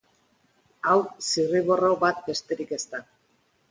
Hau zirriborro bat besterik ez da.